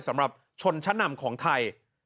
สำหรับชนชั้นนำของไทย